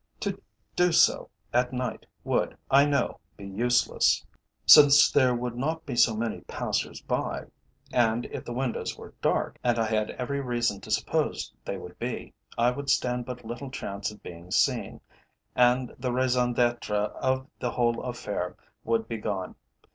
To do so at night would, I knew, be useless, since there would not be so many passers by, and if the windows were dark and I had every reason to suppose they would be I should stand but little chance of being seen, and the raison d'être of the whole affair would be gone.